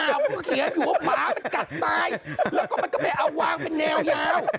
เขาก็เขียนอยู่ว่าหมามันกัดตายแล้วก็มันก็ไม่เอาวางเป็นแนวยาว